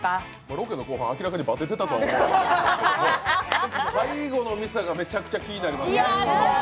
ロケの後半、明らかにバテてたと思うけど最後の店がめちゃくちゃ気になりますね。